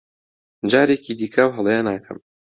جارێکی دیکە ئەو هەڵەیە ناکەم.